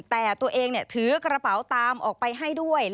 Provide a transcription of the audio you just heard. แต่ตัวเองถือกระเป๋าตามออกไปให้ด้วย